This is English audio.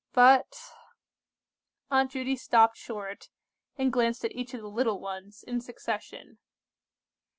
But—" Aunt Judy stopped short, and glanced at each of the little ones in succession.